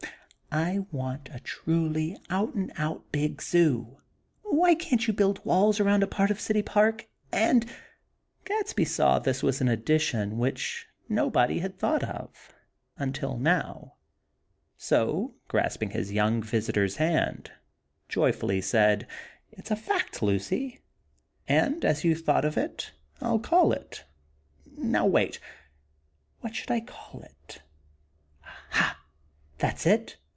"I want a truly, out and out, big zoo. Why can't you build walls around a part of City Park, and " Gadsby saw that this was an addition which nobody had thought of, until now; so, grasping his young visitor's hand, joyfully, said: "It's a fact, Lucy!! And, as you thought of it, I'll call it, now wait; what shall I call it? Aha! That's it!